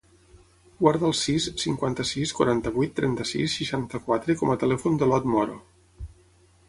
Guarda el sis, cinquanta-sis, quaranta-vuit, trenta-sis, seixanta-quatre com a telèfon de l'Ot Moro.